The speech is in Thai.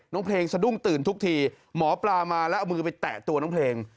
เพลงสะดุ้งตื่นทุกทีหมอปลามาแล้วเอามือไปแตะตัวน้องเพลง